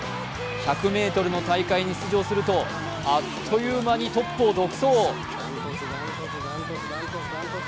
１００ｍの大会に出場するとあっという間にトップを独走。